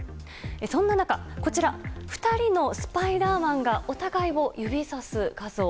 そんな中、こちら２人のスパイダーマンがお互いを指さす画像。